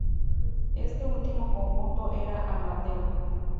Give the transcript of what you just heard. Este último conjunto era amateur.